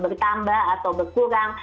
bertambah atau berkurang